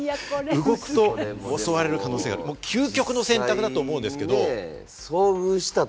動くと襲われる可能性がある究極の選択だと思うんですけれども。